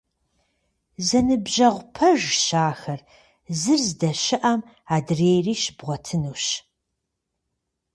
Зэныбжьэгъу пэжщ ахэр, зыр здэщыӀэм адрейри щыбгъуэтынущ.